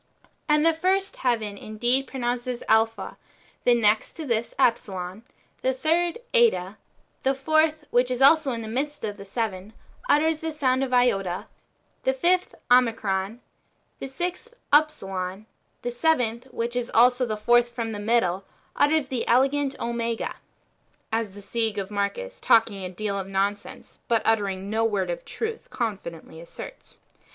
And the first heaven indeed pronounces A JpJia^ the next to this Epsilon, the third Eta, the fourth, which is also in the midst of the seven, utters the sound of Iota, the fifth Omicron, the sixth Upsilon, the seventh, which is also the fourth from the middle, utters the element Omega, ^— as the Sige of Marcus, talking a deal of nonsense, but uttering no word of truth, confidently asserts.